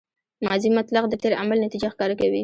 ماضي مطلق د تېر عمل نتیجه ښکاره کوي.